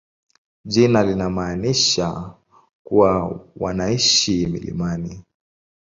Jina linamaanisha kuwa wanaishi milimani.